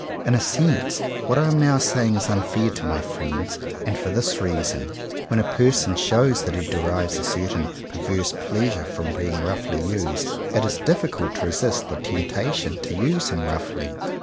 In a sense what I am now saying is unfair to my friends; and for this reason: when a person shows that he derives a certain per verse pleasure from being roughly used, it is difficult to resist the temptation to use him roughly.